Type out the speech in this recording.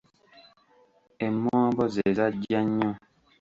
Emmombo ze zajja nnyo.